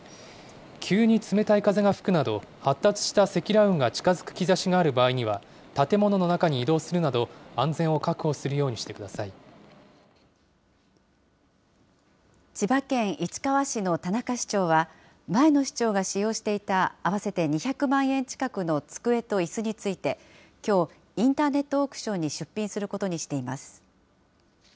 急に冷たい風が吹くなど、発達した積乱雲が近づく兆しがある場合には、建物の中に移動するなど、安全を確保するようにしてくださ千葉県市川市の田中市長は、前の市長が使用していた合わせて２００万円近くの机といすについて、きょう、インターネットオークションに出品することにしています。